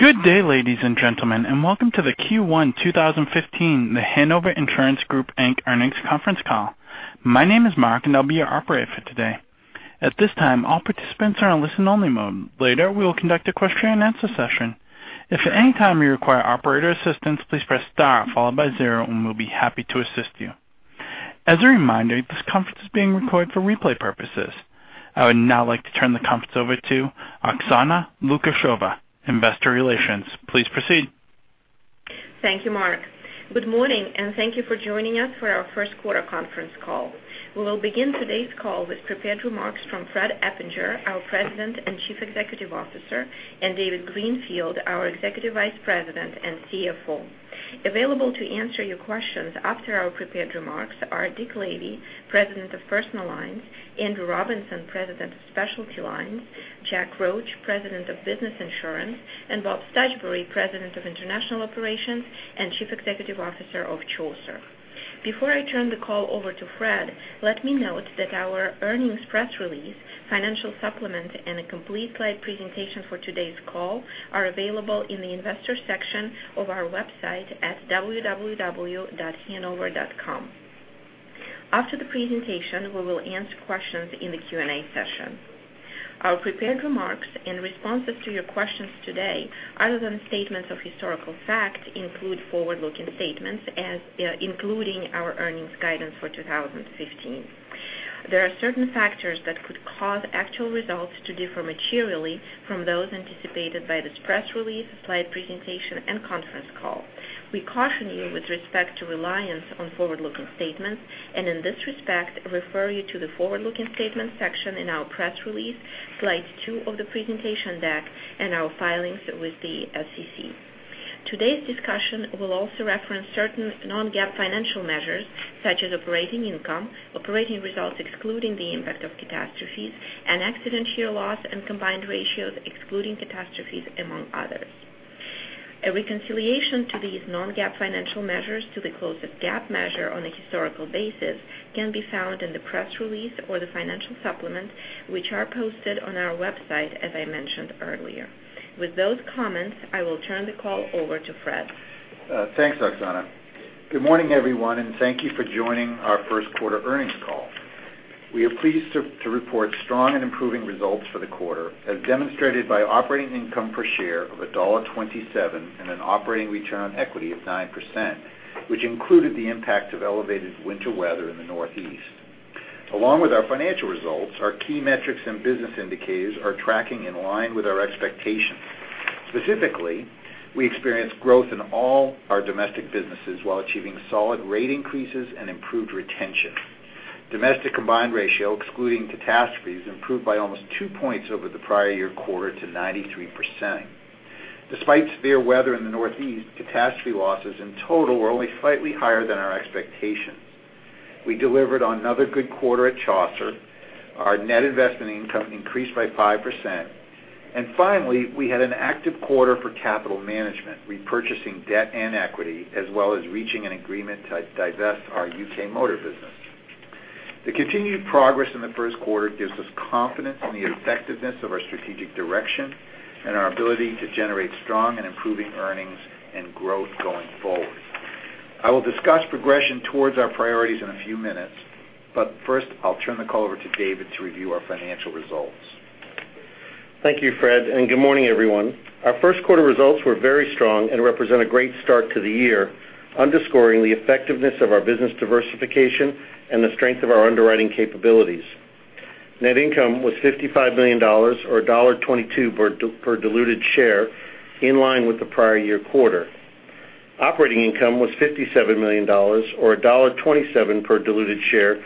Good day, ladies and gentlemen, and welcome to the Q1 2015 The Hanover Insurance Group, Inc. earnings conference call. My name is Mark and I'll be your operator for today. At this time, all participants are on listen only mode. Later, we will conduct a question and answer session. If at any time you require operator assistance, please press star followed by zero and we'll be happy to assist you. As a reminder, this conference is being recorded for replay purposes. I would now like to turn the conference over to Oksana Lukasheva, investor relations. Please proceed. Thank you, Mark. Good morning and thank you for joining us for our first quarter conference call. We will begin today's call with prepared remarks from Fred Eppinger, our President and Chief Executive Officer, and David Greenfield, our Executive Vice President and CFO. Available to answer your questions after our prepared remarks are Dick Lavey, President of Personal Lines, Andrew Robinson, President of Specialty Lines, Jack Roche, President of Business Insurance, and Bob Stuchbery, President of International Operations and Chief Executive Officer of Chaucer. Before I turn the call over to Fred, let me note that our earnings press release, financial supplement, and a complete slide presentation for today's call are available in the investors section of our website at www.hanover.com. After the presentation, we will answer questions in the Q&A session. Our prepared remarks in responses to your questions today, other than statements of historical fact, include forward-looking statements including our earnings guidance for 2015. There are certain factors that could cause actual results to differ materially from those anticipated by this press release, slide two of the presentation deck, and our filings with the SEC. Today's discussion will also reference certain non-GAAP financial measures, such as operating income, operating results excluding the impact of catastrophes, and accident year loss and combined ratios excluding catastrophes, among others. A reconciliation to these non-GAAP financial measures to the closest GAAP measure on a historical basis can be found in the press release or the financial supplement, which are posted on our website, as I mentioned earlier. With those comments, I will turn the call over to Fred. Thanks, Oksana. Good morning, everyone, and thank you for joining our first quarter earnings call. We are pleased to report strong and improving results for the quarter, as demonstrated by operating income per share of $1.27 and an operating return on equity of 9%, which included the impact of elevated winter weather in the Northeast. Along with our financial results, our key metrics and business indicators are tracking in line with our expectations. Specifically, we experienced growth in all our domestic businesses while achieving solid rate increases and improved retention. Domestic combined ratio, excluding catastrophes, improved by almost 2 points over the prior year quarter to 93%. Despite severe weather in the Northeast, catastrophe losses in total were only slightly higher than our expectations. We delivered another good quarter at Chaucer. Our net investment income increased by 5%. Finally, we had an active quarter for capital management, repurchasing debt and equity, as well as reaching an agreement to divest our UK Motor business. The continued progress in the first quarter gives us confidence in the effectiveness of our strategic direction and our ability to generate strong and improving earnings and growth going forward. I will discuss progression towards our priorities in a few minutes, but first, I'll turn the call over to David to review our financial results. Thank you, Fred, and good morning, everyone. Our first quarter results were very strong and represent a great start to the year, underscoring the effectiveness of our business diversification and the strength of our underwriting capabilities. Net income was $55 million, or $1.22 per diluted share, in line with the prior year quarter. Operating income was $57 million, or $1.27 per diluted share,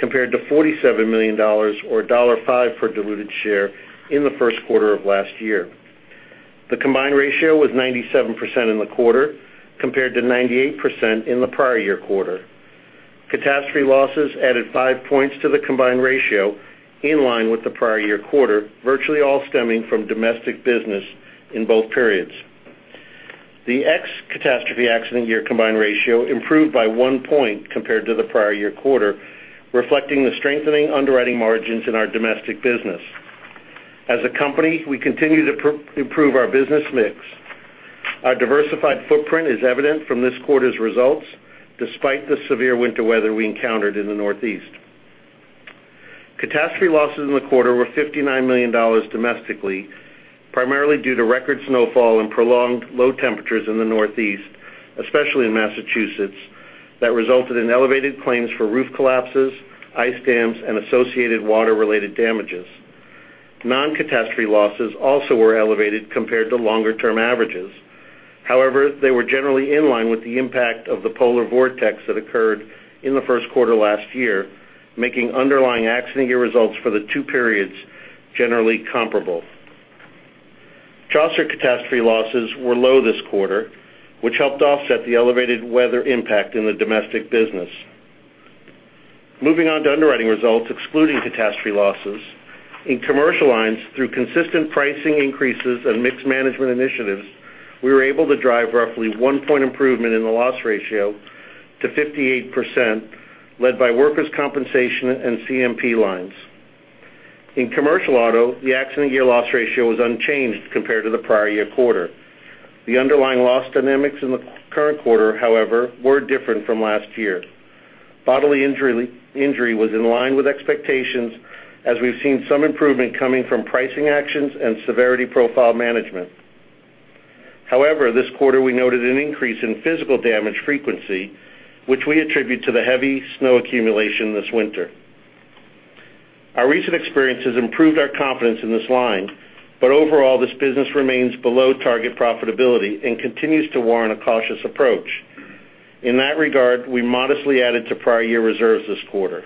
compared to $47 million, or $1.05 per diluted share in the first quarter of last year. The combined ratio was 97% in the quarter, compared to 98% in the prior year quarter. Catastrophe losses added 5 points to the combined ratio, in line with the prior year quarter, virtually all stemming from domestic business in both periods. The ex-catastrophe accident year combined ratio improved by 1 point compared to the prior year quarter, reflecting the strengthening underwriting margins in our domestic business. As a company, we continue to improve our business mix. Our diversified footprint is evident from this quarter's results, despite the severe winter weather we encountered in the Northeast. Catastrophe losses in the quarter were $59 million domestically, primarily due to record snowfall and prolonged low temperatures in the Northeast, especially in Massachusetts, that resulted in elevated claims for roof collapses, ice dams, and associated water-related damages. Non-catastrophe losses also were elevated compared to longer-term averages. However, they were generally in line with the impact of the polar vortex that occurred in the first quarter last year, making underlying accident year results for the two periods generally comparable. Chaucer catastrophe losses were low this quarter, which helped offset the elevated weather impact in the domestic business. Moving on to underwriting results, excluding catastrophe losses. In commercial lines, through consistent pricing increases and mixed management initiatives, we were able to drive roughly one point improvement in the loss ratio to 58%, led by workers' compensation and CMP lines. In commercial auto, the accident year loss ratio was unchanged compared to the prior year quarter. The underlying loss dynamics in the current quarter, however, were different from last year. Bodily injury was in line with expectations, as we've seen some improvement coming from pricing actions and severity profile management. However, this quarter we noted an increase in physical damage frequency, which we attribute to the heavy snow accumulation this winter. Our recent experience has improved our confidence in this line, but overall, this business remains below target profitability and continues to warrant a cautious approach. In that regard, we modestly added to prior year reserves this quarter.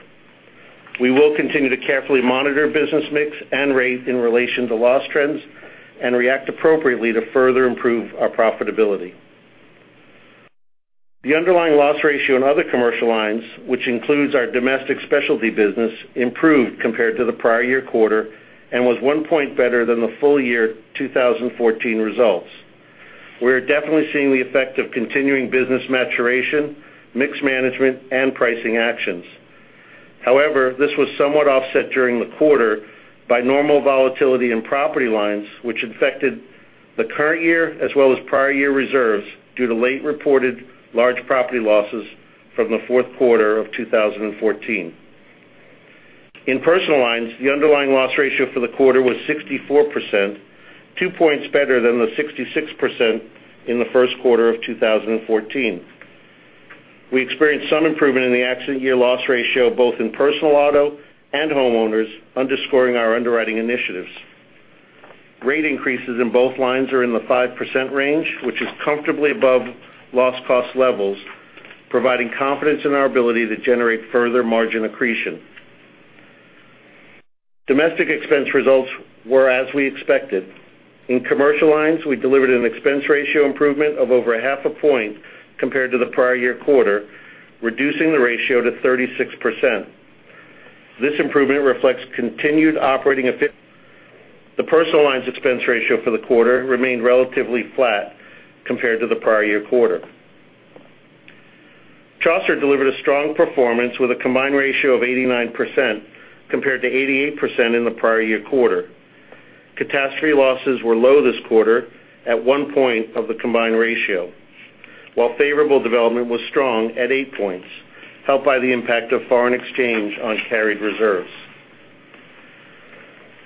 We will continue to carefully monitor business mix and rate in relation to loss trends and react appropriately to further improve our profitability. The underlying loss ratio in other commercial lines, which includes our domestic specialty business, improved compared to the prior year quarter and was one point better than the full year 2014 results. We are definitely seeing the effect of continuing business maturation, mix management, and pricing actions. However, this was somewhat offset during the quarter by normal volatility in property lines, which affected the current year as well as prior year reserves due to late reported large property losses from the fourth quarter of 2014. In personal lines, the underlying loss ratio for the quarter was 64%, two points better than the 66% in the first quarter of 2014. We experienced some improvement in the accident year loss ratio, both in personal auto and homeowners, underscoring our underwriting initiatives. Rate increases in both lines are in the 5% range, which is comfortably above loss cost levels, providing confidence in our ability to generate further margin accretion. Domestic expense results were as we expected. In commercial lines, we delivered an expense ratio improvement of over half a point compared to the prior year quarter, reducing the ratio to 36%. This improvement reflects continued operating. The personal lines expense ratio for the quarter remained relatively flat compared to the prior year quarter. Chaucer delivered a strong performance with a combined ratio of 89% compared to 88% in the prior year quarter. Catastrophe losses were low this quarter at one point of the combined ratio, while favorable development was strong at eight points, helped by the impact of foreign exchange on carried reserves.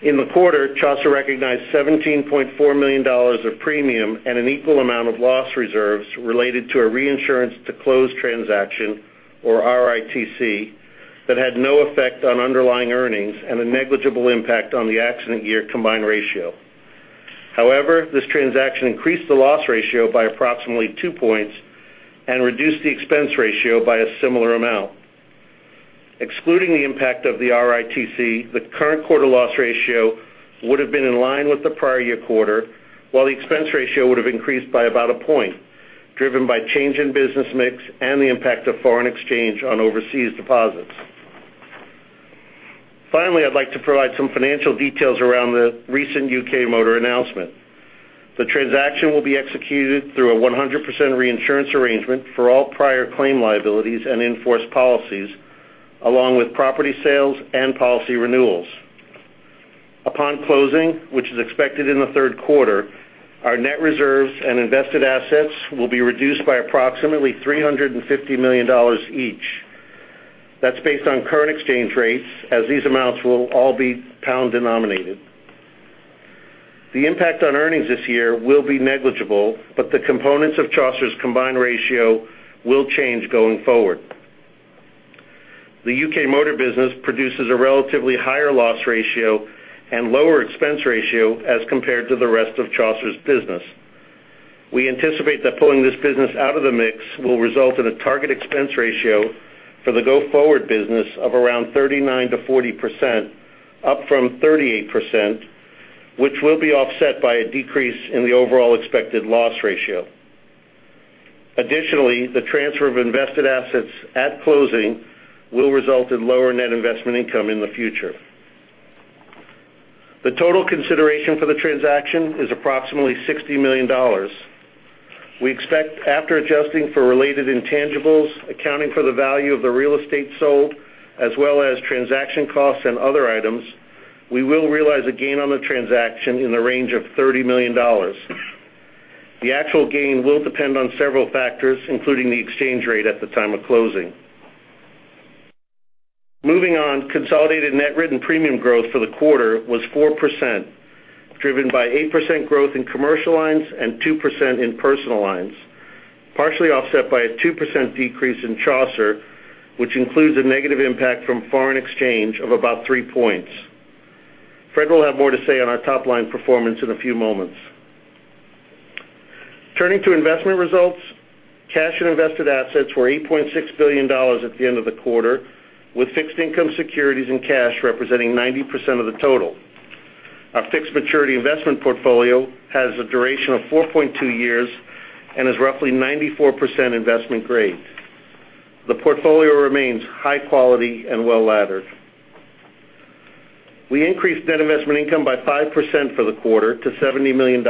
In the quarter, Chaucer recognized $17.4 million of premium and an equal amount of loss reserves related to a reinsurance to close transaction, or RITC, that had no effect on underlying earnings and a negligible impact on the accident year combined ratio. However, this transaction increased the loss ratio by approximately two points and reduced the expense ratio by a similar amount. Excluding the impact of the RITC, the current quarter loss ratio would've been in line with the prior year quarter, while the expense ratio would've increased by about a point, driven by change in business mix and the impact of foreign exchange on overseas deposits. Finally, I'd like to provide some financial details around the recent UK Motor announcement. The transaction will be executed through a 100% reinsurance arrangement for all prior claim liabilities and in-force policies, along with property sales and policy renewals. Upon closing, which is expected in the third quarter, our net reserves and invested assets will be reduced by approximately $350 million each. That's based on current exchange rates, as these amounts will all be GBP denominated. The impact on earnings this year will be negligible, but the components of Chaucer's combined ratio will change going forward. The UK Motor business produces a relatively higher loss ratio and lower expense ratio as compared to the rest of Chaucer's business. We anticipate that pulling this business out of the mix will result in a target expense ratio for the go-forward business of around 39%-40%, up from 38%, which will be offset by a decrease in the overall expected loss ratio. Additionally, the transfer of invested assets at closing will result in lower net investment income in the future. The total consideration for the transaction is approximately $60 million. We expect after adjusting for related intangibles, accounting for the value of the real estate sold, as well as transaction costs and other items, we will realize a gain on the transaction in the range of $30 million. The actual gain will depend on several factors, including the exchange rate at the time of closing. Moving on, consolidated net written premium growth for the quarter was 4%, driven by 8% growth in commercial lines and 2% in personal lines, partially offset by a 2% decrease in Chaucer, which includes a negative impact from foreign exchange of about three points. Fred will have more to say on our top-line performance in a few moments. Turning to investment results, cash and invested assets were $8.6 billion at the end of the quarter, with fixed income securities and cash representing 90% of the total. Our fixed maturity investment portfolio has a duration of 4.2 years and is roughly 94% investment grade. The portfolio remains high quality and well-laddered. We increased net investment income by 5% for the quarter to $70 million,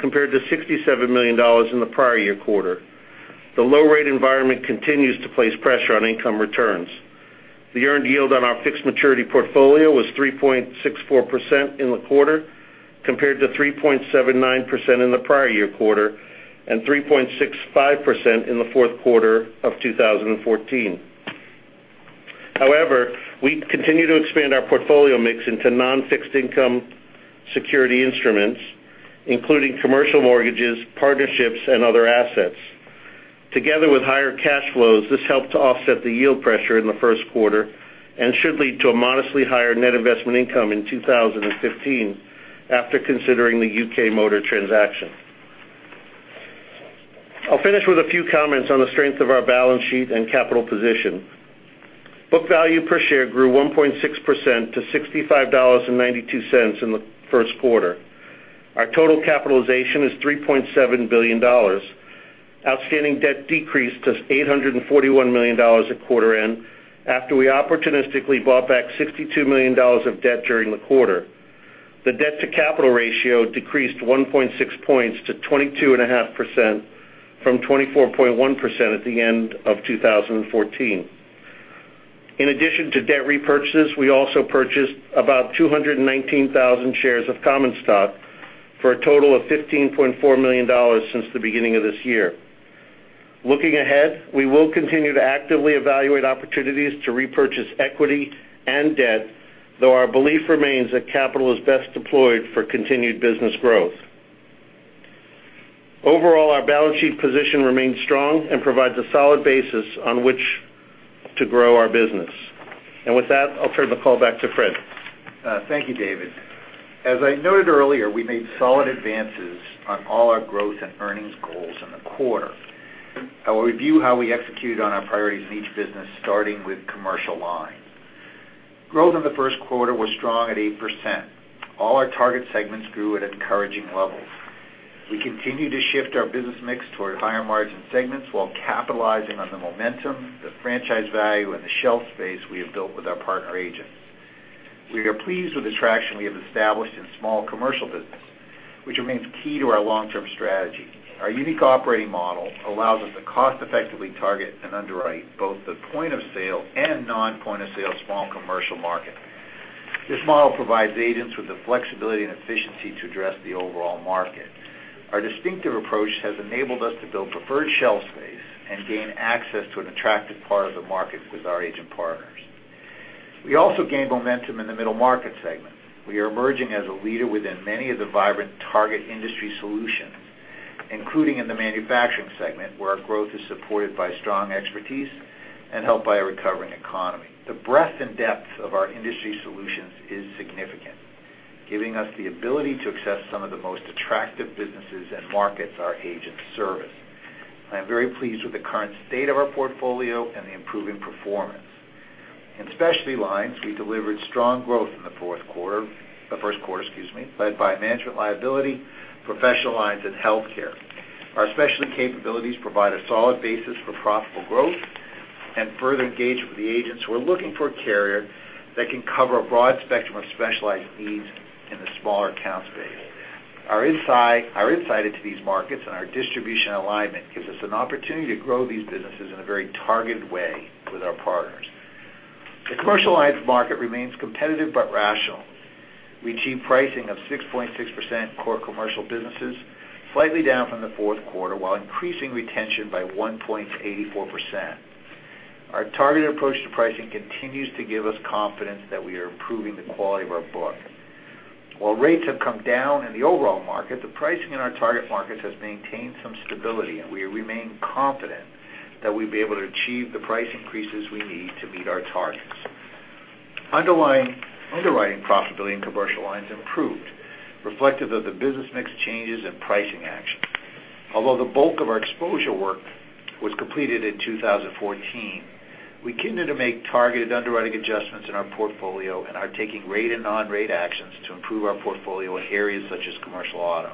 compared to $67 million in the prior year quarter. The low rate environment continues to place pressure on income returns. The earned yield on our fixed maturity portfolio was 3.64% in the quarter, compared to 3.79% in the prior year quarter and 3.65% in the fourth quarter of 2014. However, we continue to expand our portfolio mix into non-fixed income security instruments, including commercial mortgages, partnerships, and other assets. Together with higher cash flows, this helped to offset the yield pressure in the first quarter and should lead to a modestly higher net investment income in 2015 after considering the UK Motor transaction. I'll finish with a few comments on the strength of our balance sheet and capital position. Book value per share grew 1.6% to $65.92 in the first quarter. Our total capitalization is $3.7 billion. Outstanding debt decreased to $841 million at quarter end, after we opportunistically bought back $62 million of debt during the quarter. The debt to capital ratio decreased 1.6 points to 22.5% from 24.1% at the end of 2014. In addition to debt repurchases, we also purchased about 219,000 shares of common stock, for a total of $15.4 million since the beginning of this year. Looking ahead, we will continue to actively evaluate opportunities to repurchase equity and debt, though our belief remains that capital is best deployed for continued business growth. Overall, our balance sheet position remains strong and provides a solid basis on which to grow our business. With that, I'll turn the call back to Fred. Thank you, David. As I noted earlier, we made solid advances on all our growth and earnings goals in the quarter. I will review how we executed on our priorities in each business, starting with commercial lines. Growth in the first quarter was strong at 8%. All our target segments grew at encouraging levels. We continue to shift our business mix towards higher margin segments while capitalizing on the momentum, the franchise value, and the shelf space we have built with our partner agents. We are pleased with the traction we have established in small commercial business, which remains key to our long-term strategy. Our unique operating model allows us to cost effectively target and underwrite both the point of sale and non-point of sale small commercial market. This model provides agents with the flexibility and efficiency to address the overall market. Our distinctive approach has enabled us to build preferred shelf space and gain access to an attractive part of the market with our agent partners. We also gained momentum in the middle market segment. We are emerging as a leader within many of the vibrant target industry solutions, including in the manufacturing segment, where our growth is supported by strong expertise and helped by a recovering economy. The breadth and depth of our industry solutions is significant, giving us the ability to access some of the most attractive businesses and markets our agents service. I am very pleased with the current state of our portfolio and the improving performance. In specialty lines, we delivered strong growth in the first quarter, excuse me, led by Management Liability, Professional Lines, and Healthcare. Our specialty capabilities provide a solid basis for profitable growth and further engagement with the agents who are looking for a carrier that can cover a broad spectrum of specialized needs in the smaller account space. Our insight into these markets and our distribution alignment gives us an opportunity to grow these businesses in a very targeted way with our partners. The commercial lines market remains competitive but rational. We achieved pricing of 6.6% core commercial businesses, slightly down from the fourth quarter, while increasing retention by 1.84%. Our targeted approach to pricing continues to give us confidence that we are improving the quality of our book. While rates have come down in the overall market, the pricing in our target markets has maintained some stability, we remain confident that we'll be able to achieve the price increases we need to meet our targets. Underwriting profitability in commercial lines improved, reflective of the business mix changes and pricing action. Although the bulk of our exposure work was completed in 2014, we continue to make targeted underwriting adjustments in our portfolio and are taking rate and non-rate actions to improve our portfolio in areas such as commercial auto.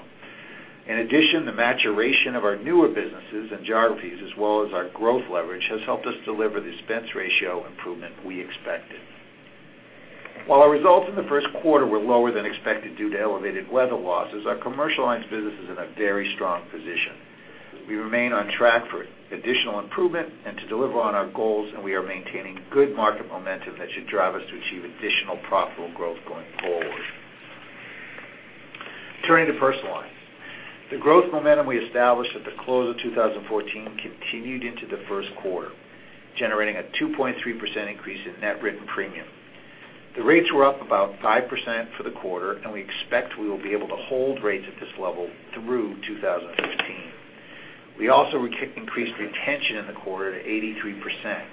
In addition, the maturation of our newer businesses and geographies, as well as our growth leverage, has helped us deliver the expense ratio improvement we expected. While our results in the first quarter were lower than expected due to elevated weather losses, our commercial lines business is in a very strong position. We remain on track for additional improvement and to deliver on our goals, and we are maintaining good market momentum that should drive us to achieve additional profitable growth going forward. Turning to personal lines. The growth momentum we established at the close of 2014 continued into the first quarter, generating a 2.3% increase in net written premium. The rates were up about 5% for the quarter, and we expect we will be able to hold rates at this level through 2015. We also increased retention in the quarter to 83%.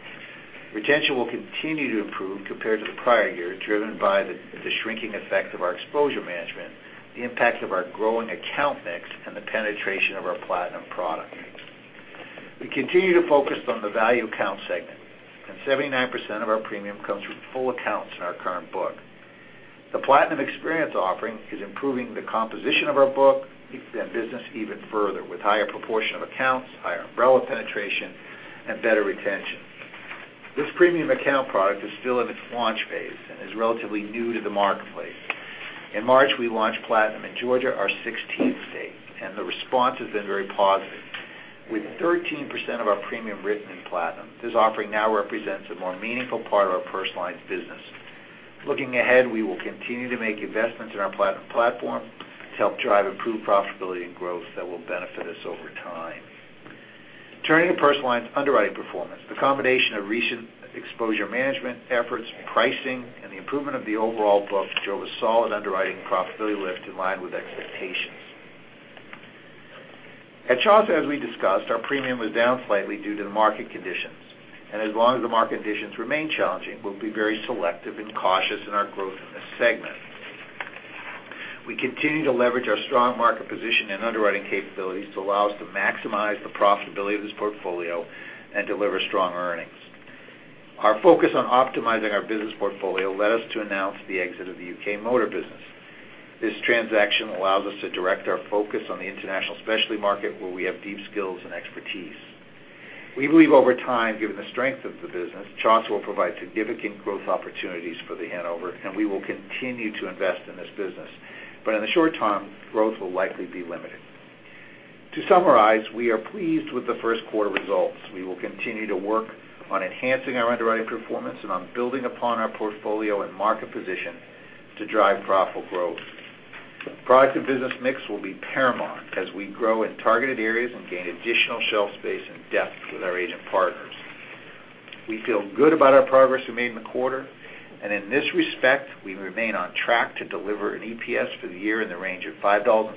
Retention will continue to improve compared to the prior year, driven by the shrinking effect of our exposure management, the impact of our growing account mix, and the penetration of our Platinum product. We continue to focus on the value account segment, and 79% of our premium comes from full accounts in our current book. The Hanover Platinum Experience offering is improving the composition of our book and business even further, with higher proportion of accounts, higher umbrella penetration, and better retention. This premium account product is still in its launch phase and is relatively new to the marketplace. In March, we launched Platinum in Georgia, our 16th state, and the response has been very positive. With 13% of our premium written in Platinum, this offering now represents a more meaningful part of our personal lines business. Looking ahead, we will continue to make investments in our Platinum platform to help drive improved profitability and growth that will benefit us over time. Turning to personal lines underwriting performance, the combination of recent exposure management efforts, pricing, and the improvement of the overall book drove a solid underwriting profitability lift in line with expectations. At Chaucer, as we discussed, our premium was down slightly due to the market conditions. As long as the market conditions remain challenging, we'll be very selective and cautious in our growth in this segment. We continue to leverage our strong market position and underwriting capabilities to allow us to maximize the profitability of this portfolio and deliver strong earnings. Our focus on optimizing our business portfolio led us to announce the exit of the UK Motor business. This transaction allows us to direct our focus on the international specialty market where we have deep skills and expertise. We believe over time, given the strength of the business, Chaucer will provide significant growth opportunities for The Hanover, and we will continue to invest in this business. In the short term, growth will likely be limited. To summarize, we are pleased with the first quarter results. We will continue to work on enhancing our underwriting performance and on building upon our portfolio and market position to drive profitable growth. Product and business mix will be paramount as we grow in targeted areas and gain additional shelf space and depth with our agent partners. We feel good about our progress we made in the quarter. In this respect, we remain on track to deliver an EPS for the year in the range of $5.70-$6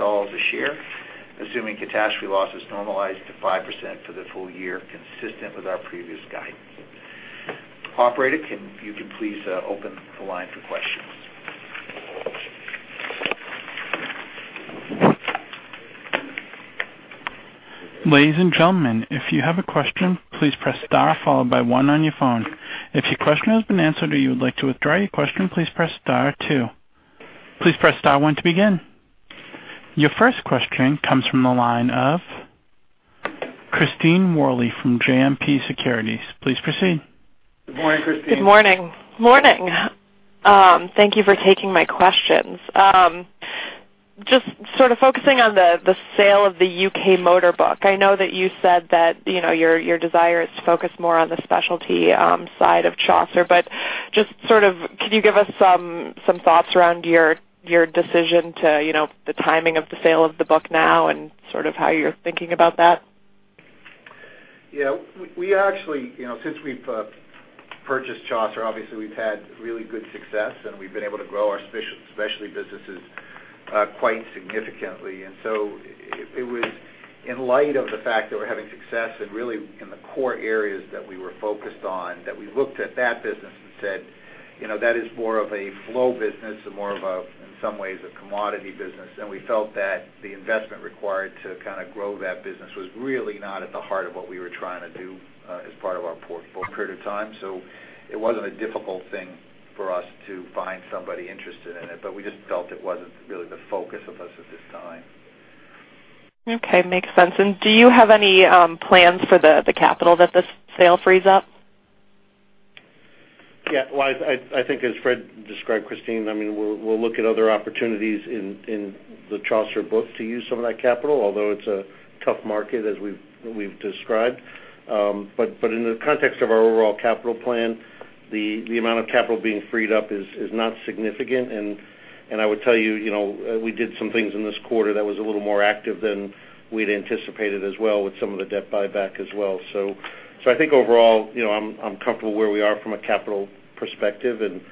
a share, assuming catastrophe losses normalize to 5% for the full year, consistent with our previous guidance. Operator, you can please open the line for questions. Ladies and gentlemen, if you have a question, please press star followed by one on your phone. If your question has been answered or you would like to withdraw your question, please press star two. Please press star one to begin. Your first question comes from the line of Christine Worley from JMP Securities. Please proceed. Good morning, Christine. Good morning. Thank you for taking my questions. Just sort of focusing on the sale of the U.K. Motor book. I know that you said that your desire is to focus more on the specialty side of Chaucer, can you give us some thoughts around your decision to the timing of the sale of the book now and sort of how you're thinking about that? Yeah. Since we've purchased Chaucer, obviously we've had really good success, and we've been able to grow our specialty businesses quite significantly. It was in light of the fact that we're having success and really in the core areas that we were focused on, that we looked at that business and said, "That is more of a flow business and more of a, in some ways, a commodity business." We felt that the investment required to kind of grow that business was really not at the heart of what we were trying to do as part of our portfolio for a period of time. It wasn't a difficult thing for us to find somebody interested in it, but we just felt it wasn't really the focus of us at this time. Okay, makes sense. Do you have any plans for the capital that this sale frees up? Yeah. Well, I think as Fred described, Christine, we'll look at other opportunities in the Chaucer book to use some of that capital, although it's a tough market as we've described. In the context of our overall capital plan, the amount of capital being freed up is not significant, and I would tell you, we did some things in this quarter that was a little more active than we'd anticipated as well with some of the debt buyback as well. I think overall, I'm comfortable where we are from a capital perspective, and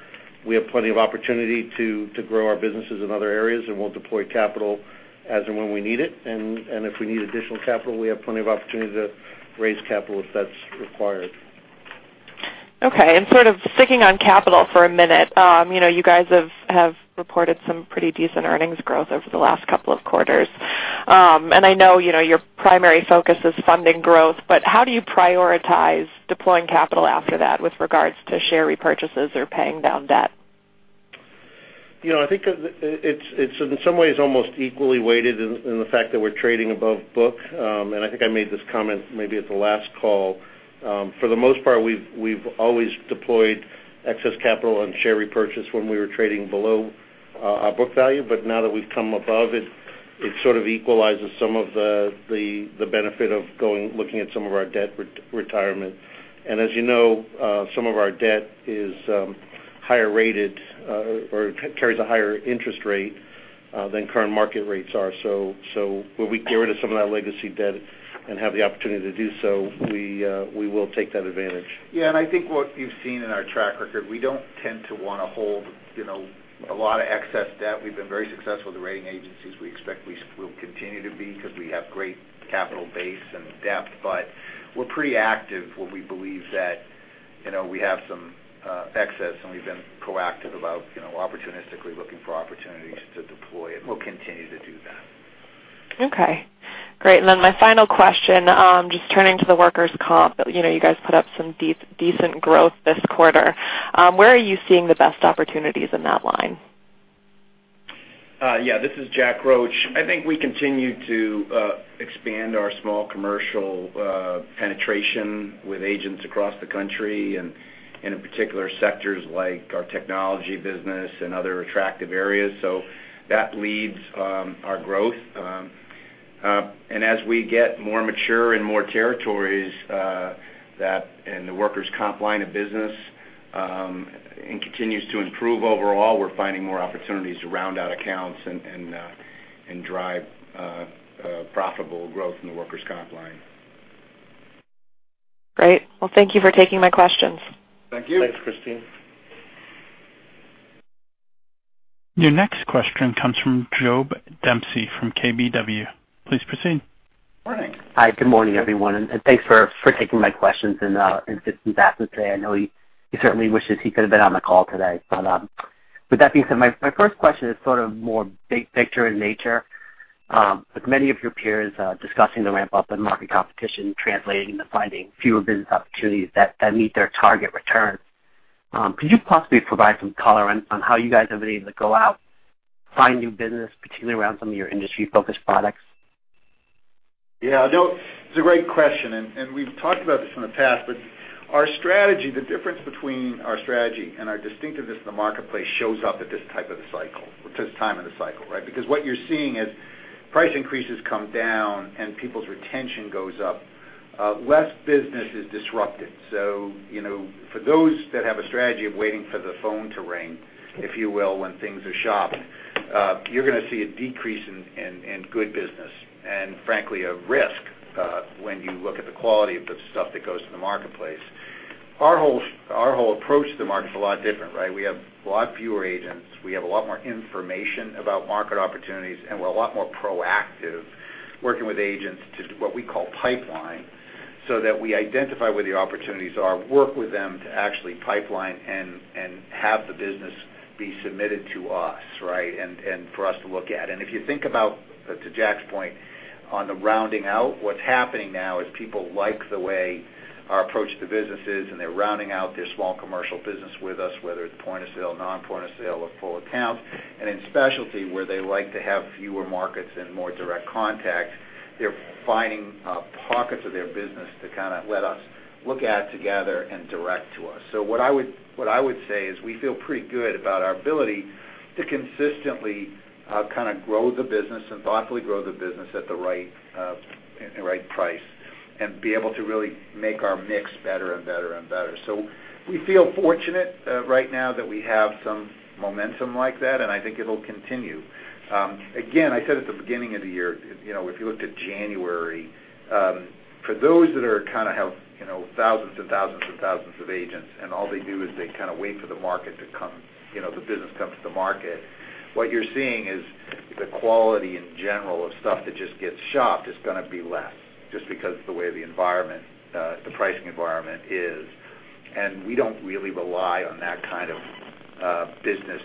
we have plenty of opportunity to grow our businesses in other areas, and we'll deploy capital as and when we need it. If we need additional capital, we have plenty of opportunity to raise capital if that's required. Okay, sort of sticking on capital for a minute. You guys have reported some pretty decent earnings growth over the last couple of quarters. I know your primary focus is funding growth, but how do you prioritize deploying capital after that with regards to share repurchases or paying down debt? I think it's in some ways almost equally weighted in the fact that we're trading above book. I think I made this comment maybe at the last call. For the most part, we've always deployed excess capital and share repurchase when we were trading below our book value, but now that we've come above it sort of equalizes some of the benefit of looking at some of our debt retirement. As you know, some of our debt is higher rated or carries a higher interest rate than current market rates are. When we get rid of some of that legacy debt and have the opportunity to do so, we will take that advantage. I think what you've seen in our track record, we don't tend to want to hold a lot of excess debt. We've been very successful with the rating agencies. We expect we will continue to be because we have great capital base and depth, but we're pretty active when we believe that we have some excess, and we've been proactive about opportunistically looking for opportunities to deploy it, and we'll continue to do that. Okay, great. My final question, just turning to the workers' comp. You guys put up some decent growth this quarter. Where are you seeing the best opportunities in that line? This is Jack Roche. I think we continue to expand our small commercial penetration with agents across the country, and in particular sectors like our technology business and other attractive areas. That leads our growth. As we get more mature in more territories, and the workers' comp line of business continues to improve overall, we're finding more opportunities to round out accounts and drive profitable growth in the workers' comp line. Great. Well, thank you for taking my questions. Thank you. Thanks, Christine. Your next question comes from Joab Dempsey from KBW. Please proceed. Morning. Hi. Good morning, everyone, and thanks for taking my questions and [fits and facets today]. I know he certainly wishes he could've been on the call today. With that being said, my first question is sort of more big picture in nature. With many of your peers discussing the ramp-up in market competition translating into finding fewer business opportunities that meet their target return, could you possibly provide some color on how you guys have been able to go out, find new business, particularly around some of your industry-focused products? Yeah, Joab, it's a great question. We've talked about this in the past, our strategy, the difference between our strategy and our distinctiveness in the marketplace shows up at this time in the cycle, right? What you're seeing is price increases come down and people's retention goes up. Less business is disrupted. For those that have a strategy of waiting for the phone to ring, if you will, when things are shopped, you're going to see a decrease in good business, and frankly, a risk, when you look at the quality of the stuff that goes to the marketplace. Our whole approach to the market's a lot different, right? We have a lot fewer agents. We have a lot more information about market opportunities. We're a lot more proactive working with agents to do what we call pipeline, that we identify where the opportunities are, work with them to actually pipeline and have the business be submitted to us, right, for us to look at. If you think about, to Jack's point on the rounding out, what's happening now is people like the way our approach to business is, they're rounding out their small commercial business with us, whether it's point-of-sale, non-point-of-sale, or full account. In specialty, where they like to have fewer markets and more direct contact, they're finding pockets of their business to kind of let us look at together and direct to us. What I would say is we feel pretty good about our ability to consistently kind of grow the business and thoughtfully grow the business at the right price and be able to really make our mix better and better and better. We feel fortunate right now that we have some momentum like that, I think it'll continue. Again, I said at the beginning of the year, if you looked at January, for those that kind of have thousands of agents, all they do is they kind of wait for the business to come to the market, what you're seeing is the quality in general of stuff that just gets shopped is going to be less, just because of the way the pricing environment is. We don't really rely on that kind of business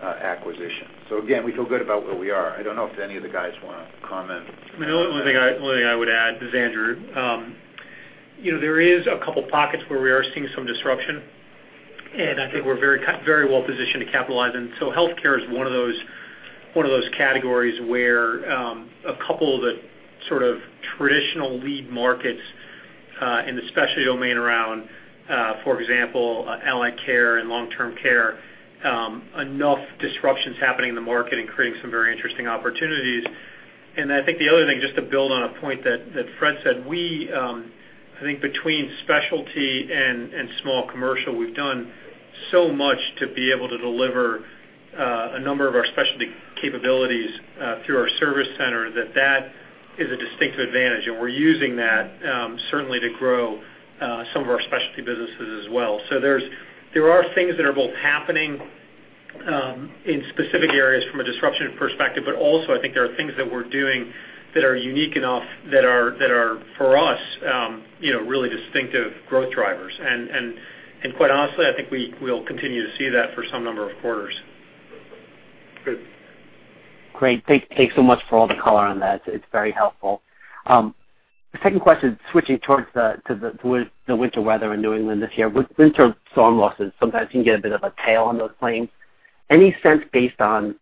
acquisition. Again, we feel good about where we are. I don't know if any of the guys want to comment. The only thing I would add, this is Andrew. There is a couple pockets where we are seeing some disruption, and I think we're very well positioned to capitalize. Healthcare is one of those categories where a couple of the sort of traditional lead markets in the specialty domain around, for example, allied healthcare and long-term care, enough disruption's happening in the market and creating some very interesting opportunities. I think the other thing, just to build on a point that Fred said, we, I think between specialty and small commercial, we've done so much to be able to deliver a number of our specialty capabilities through our service center that that is a distinctive advantage, and we're using that certainly to grow some of our specialty businesses as well. There are things that are both happening in specific areas from a disruption perspective, but also, I think there are things that we're doing that are unique enough that are, for us, really distinctive growth drivers. Quite honestly, I think we'll continue to see that for some number of quarters. Good. Great. Thanks so much for all the color on that. It's very helpful. The second question, switching towards the winter weather in New England this year. With winter storm losses, sometimes you can get a bit of a tail on those claims. Any sense based on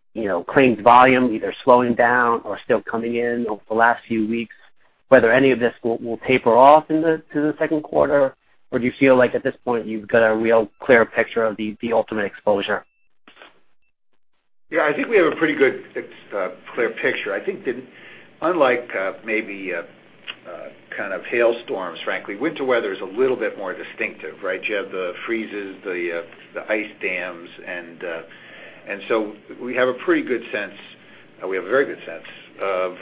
claims volume either slowing down or still coming in over the last few weeks, whether any of this will taper off into the second quarter? Do you feel like at this point you've got a real clear picture of the ultimate exposure? Yeah, I think we have a pretty good, clear picture. I think that unlike maybe kind of hail storms, frankly, winter weather is a little bit more distinctive, right? You have the freezes, the ice dams, we have a very good sense of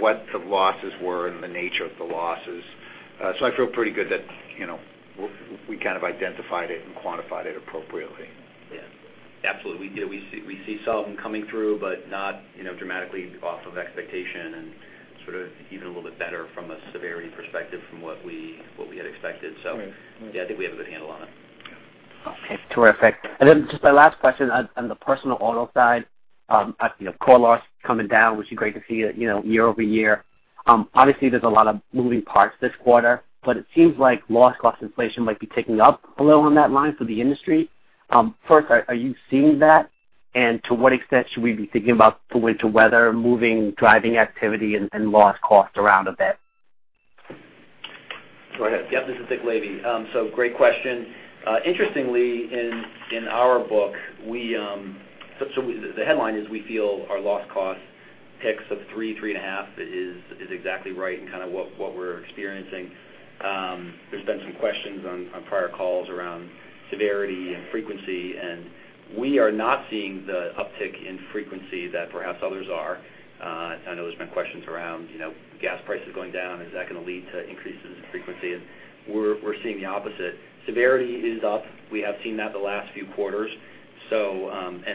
what the losses were and the nature of the losses. I feel pretty good that we kind of identified it and quantified it appropriately. Yeah. Absolutely. We see some coming through, not dramatically off of expectation and sort of even a little bit better from a severity perspective from what we had expected. Yeah, I think we have a good handle on it. Okay, terrific. Just my last question on the personal auto side. Core loss coming down, which is great to see year-over-year. Obviously, there's a lot of moving parts this quarter, it seems like loss cost inflation might be ticking up a little on that line for the industry. First, are you seeing that? To what extent should we be thinking about the winter weather, moving, driving activity and loss cost around a bit? Go ahead. Yep, this is Dick Lavey. Great question. Interestingly, in our book, the headline is we feel our loss cost ticks of three and a half is exactly right and kind of what we're experiencing. There's been some questions on prior calls around severity and frequency. We are not seeing the uptick in frequency that perhaps others are. I know there's been questions around gas prices going down. Is that going to lead to increases in frequency? We're seeing the opposite. Severity is up. We have seen that the last few quarters.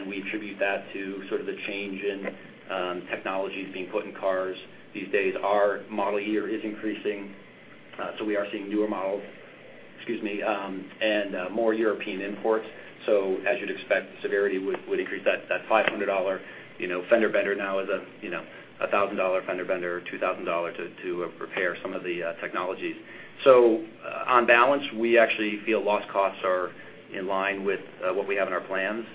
We attribute that to sort of the change in technologies being put in cars these days. Our model year is increasing. We are seeing newer models, excuse me, and more European imports. As you'd expect, severity would increase. That $500 fender bender now is a $1,000 fender bender or $2,000 to repair some of the technologies. On balance, we actually feel loss costs are in line with what we have in our plans.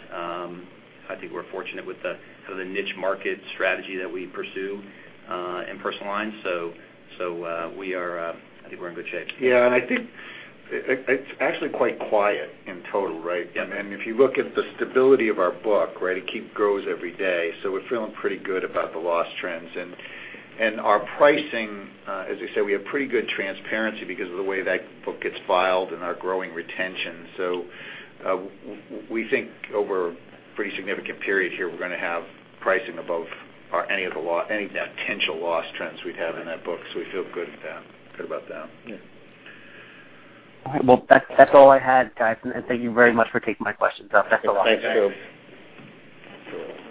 I think we're fortunate with the niche market strategy that we pursue in personal lines. I think we're in good shape. Yeah. I think it's actually quite quiet in total, right? Yeah. If you look at the stability of our book, right, it keep grows every day. We're feeling pretty good about the loss trends. Our pricing, as I said, we have pretty good transparency because of the way that book gets filed and our growing retention. We think over a pretty significant period here, we're going to have pricing above any potential loss trends we have in that book. We feel good about them. Yeah. All right. Well, that's all I had, guys, and thank you very much for taking my questions. I'll pass it along. Thanks, Joab. Thanks.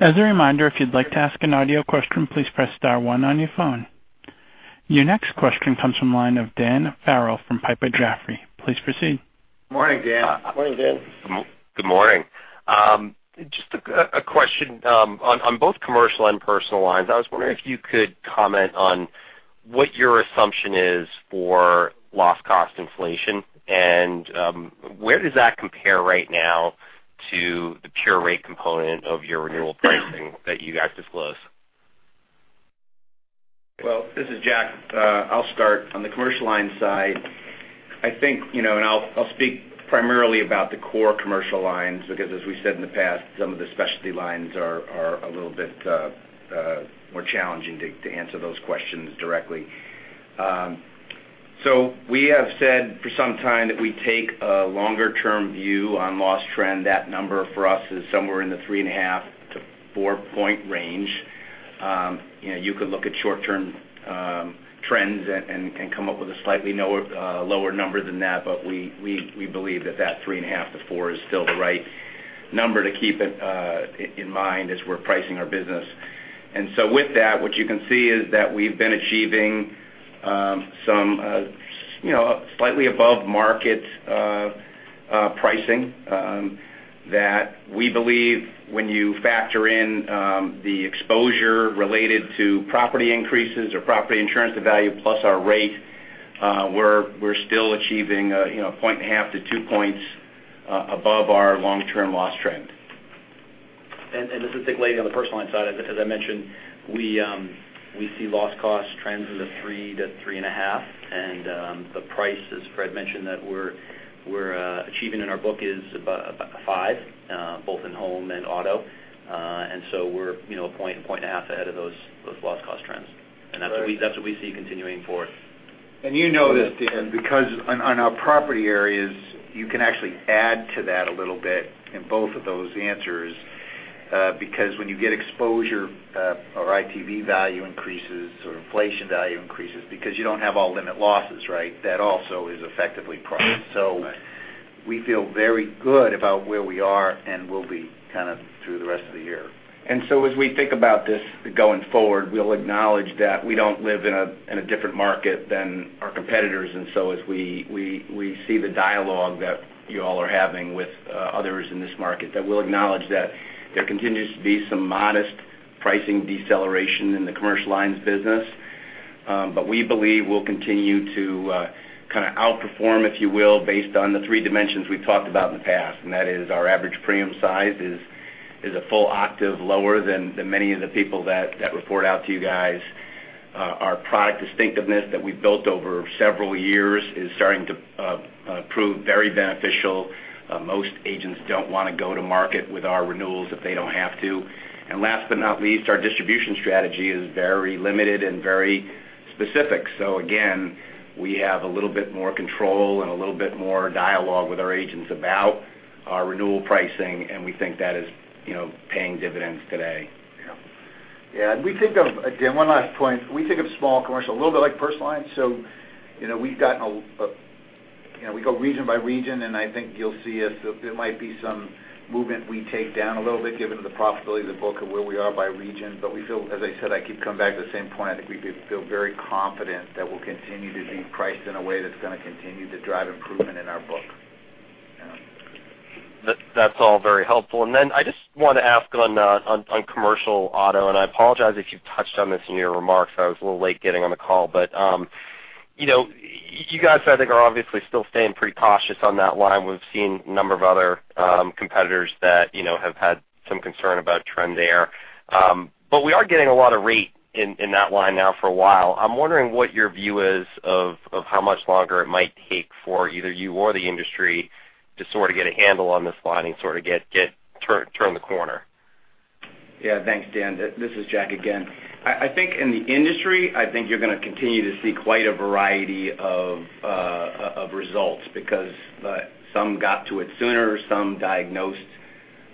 As a reminder, if you'd like to ask an audio question, please press star one on your phone. Your next question comes from the line of Daniel Farrell from Piper Jaffray. Please proceed. Morning, Dan. Morning, Dan. Good morning. Just a question, on both commercial and personal lines, I was wondering if you could comment on what your assumption is for loss cost inflation, and where does that compare right now to the pure rate component of your renewal pricing that you guys disclose? Well, this is Jack. I'll start. On the commercial line side, I'll speak primarily about the core commercial lines, because as we said in the past, some of the specialty lines are a little bit more challenging to answer those questions directly. We have said for some time that we take a longer-term view on loss trend. That number for us is somewhere in the three and a half to four point range. You could look at short-term trends and come up with a slightly lower number than that. We believe that three and a half to four is still the right number to keep in mind as we're pricing our business. With that, what you can see is that we've been achieving some slightly above market pricing, that we believe when you factor in the exposure related to property increases or property insurance to value plus our rate, we're still achieving a point and a half to two points above our long-term loss trend. This is Dick Lavey on the personal lines side. As I mentioned, we see loss cost trends in the three to three and a half percent. The price, as Fred mentioned, that we're achieving in our book is about a five percent, both in home and auto. We're a point, a point and a half ahead of those loss cost trends. Right. That's what we see continuing forward. You know this, Dan, because on our property areas, you can actually add to that a little bit in both of those answers because when you get exposure or ITV value increases or inflation value increases, because you don't have all limit losses, right, that also is effectively priced. Right. We feel very good about where we are and will be kind of through the rest of the year. As we think about this going forward, we'll acknowledge that we don't live in a different market than our competitors. As we see the dialogue that you all are having with others in this market, that we'll acknowledge that there continues to be some modest pricing deceleration in the commercial lines business. We believe we'll continue to kind of outperform, if you will, based on the three dimensions we've talked about in the past, and that is our average premium size is a full octave lower than many of the people that report out to you guys. Our product distinctiveness that we've built over several years is starting to prove very beneficial. Most agents don't want to go to market with our renewals if they don't have to. Last but not least, our distribution strategy is very limited and very specific. Again, we have a little bit more control and a little bit more dialogue with our agents about our renewal pricing, and we think that is paying dividends today. Again, one last point. We think of small commercial a little bit like personal lines. We go region by region, and I think you'll see there might be some movement we take down a little bit given the profitability of the book and where we are by region. As I said, I keep coming back to the same point. I think we feel very confident that we'll continue to be priced in a way that's going to continue to drive improvement in our book. Yeah. That's all very helpful. I just want to ask on commercial auto, and I apologize if you touched on this in your remarks, I was a little late getting on the call. You guys, I think, are obviously still staying pretty cautious on that line. We've seen a number of other competitors that have had some concern about trend there. We are getting a lot of rate in that line now for a while. I'm wondering what your view is of how much longer it might take for either you or the industry to sort of get a handle on this line and sort of turn the corner. Yeah. Thanks, Daniel. This is John C. Roche again. I think in the industry, I think you're going to continue to see quite a variety of results because some got to it sooner, some diagnosed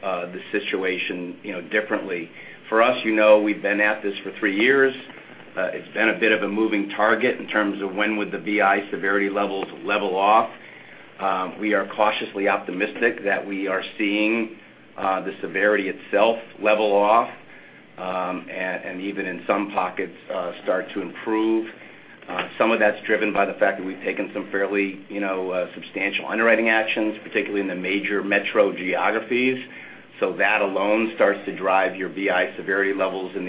the situation differently. For us, we've been at this for 3 years. It's been a bit of a moving target in terms of when would the BI severity levels level off. We are cautiously optimistic that we are seeing the severity itself level off, and even in some pockets, start to improve. Some of that's driven by the fact that we've taken some fairly substantial underwriting actions, particularly in the major metro geographies. That alone starts to drive your BI severity levels in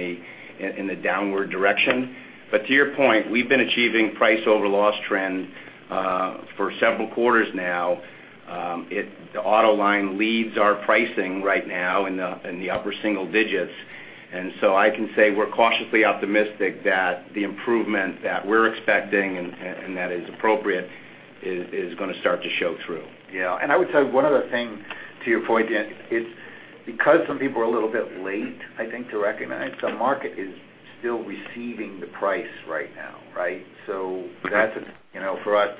the downward direction. To your point, we've been achieving price over loss trend for several quarters now. The auto line leads our pricing right now in the upper single digits. I can say we're cautiously optimistic that the improvement that we're expecting and that is appropriate is going to start to show through. Yeah. I would say one other thing to your point, Daniel, it's because some people are a little bit late, I think, to recognize, the market is still receiving the price right now, right? For us,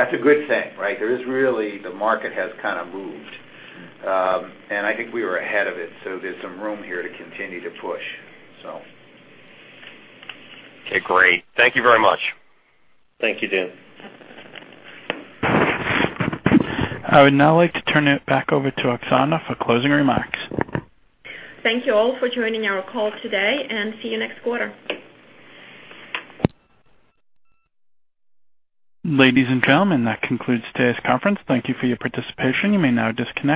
that's a good thing, right? There is really, the market has kind of moved. I think we were ahead of it, so there's some room here to continue to push. Okay, great. Thank you very much. Thank you, Dan. I would now like to turn it back over to Oksana for closing remarks. Thank you all for joining our call today, and see you next quarter. Ladies and gentlemen, that concludes today's conference. Thank you for your participation. You may now disconnect.